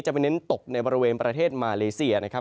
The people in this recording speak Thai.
ไปเน้นตกในบริเวณประเทศมาเลเซียนะครับ